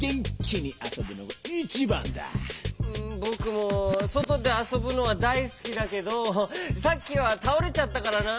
うんぼくもそとであそぶのはだいすきだけどさっきはたおれちゃったからな。